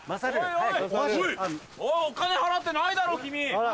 お金払ってないだろ君！